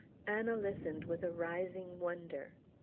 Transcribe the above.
Anna listened with a rising wonder.